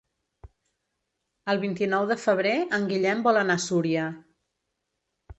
El vint-i-nou de febrer en Guillem vol anar a Súria.